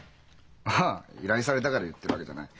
ああ依頼されたから言ってるわけじゃない。